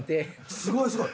すごいすごい！